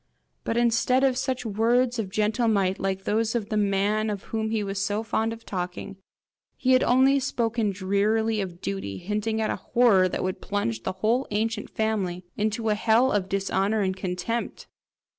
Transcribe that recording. But instead of such words of gentle might, like those of the man of whom he was so fond of talking, he had only spoken drearily of duty, hinting at a horror that would plunge the whole ancient family into a hell of dishonour and contempt!